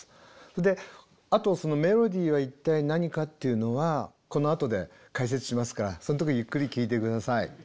であとメロディーは一体何かっていうのはこのあとで解説しますからその時ゆっくり聞いて下さい。